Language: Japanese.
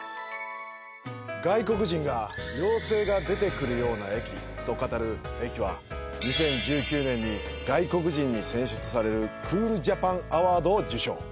外国人が、妖精が出てくるような駅と語る駅は２０１９年に外国人に選出されるＣＯＯＬＪＡＰＡＮＡＷＡＲＤを受賞。